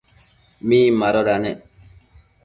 Min madoda nec ?